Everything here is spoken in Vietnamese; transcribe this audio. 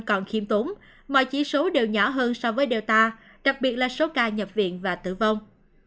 còn khiêm tốn mọi chỉ số đều nhỏ hơn so với delta đặc biệt là số ca nhập viện và tử vong